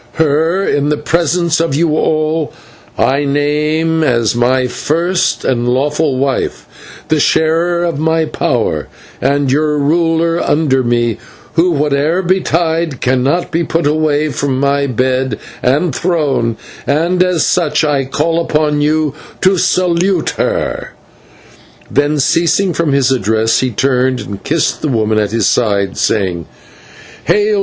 Her, in the presence of you all, I name as my first and lawful wife, the sharer of my power, and your ruler under me, who, whate'er betide, cannot be put away from my bed and throne, and as such I call upon you to salute her." Then, ceasing from his address, he turned and kissed the woman at his side, saying: "Hail!